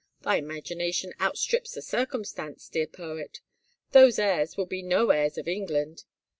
Thy imagination out strips the circumstance, dear poet. Those heirs will be no heirs of England